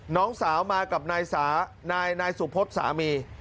น้องสาวมากับนายสานายสุพศสามี